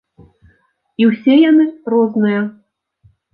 І ўсе яны розныя.